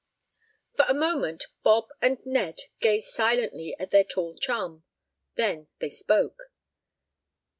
For a moment Bob and Ned gazed silently at their tall chum. Then they spoke.